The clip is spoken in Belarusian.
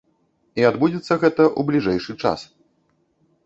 І адбудзецца гэта ў бліжэйшы час.